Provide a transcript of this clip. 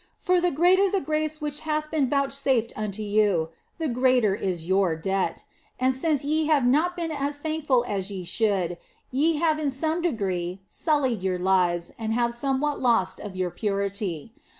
For the greater the grace which hath been vouchsafed unto you, the greater is your debt ; and since ye have not been as thankful as ye should be, ye have in some degree sullied your lives and have lost somewhat of your purity.